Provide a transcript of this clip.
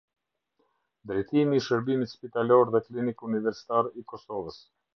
Drejtimi i Shërbimit Spitalor dhe Klinik Universitar i Kosovës.